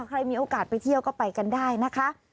ใครมีโอกาสไปเที่ยวก็ไปกันได้นะคะ